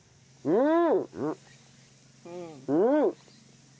うん。